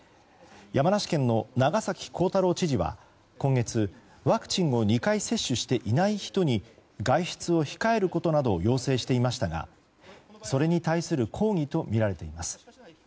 山梨県の長崎幸太郎知事は今月、ワクチンを２回接種していない人に外出を控えることなどを要請していましたがそれに対する抗議とみられています。